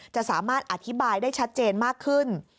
จะสามารถอธิบายได้ชัดเจนมากขึ้น